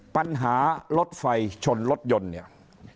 ปัญหารถไฟชนรถยนต์เนี่ย